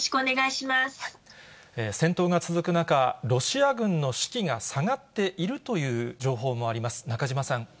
戦闘が続く中、ロシア軍の士気が下がっているという情報もあります。